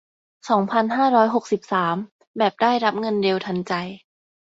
สองพันห้าร้อยหกสิบสาม แบบได้รับเงินเร็วทันใจ